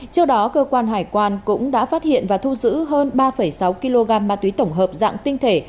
trước đó cơ quan hải quan cũng đã phát hiện và thu giữ hơn ba sáu kg ma túy tổng hợp dạng tinh thể